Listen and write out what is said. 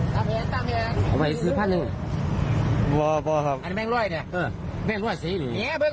ดูนะครับรถที่เกิดเห็น